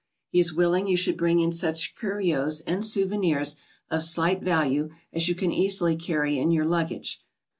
He is willing you should bring in such curios and souvenirs of slight value as you can easily carry in your luggage.